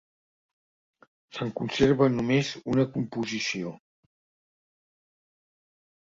Se'n conserva només una composició.